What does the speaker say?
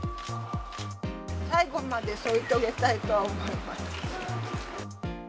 最後まで添い遂げたいとは思います。